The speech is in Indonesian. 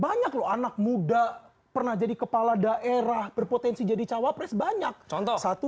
banyak loh anak muda pernah jadi kepala daerah berpotensi jadi cawapres banyak contoh satu